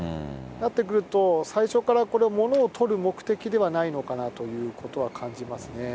なってくると、最初からこれ、物をとる目的ではないのかなということは感じますね。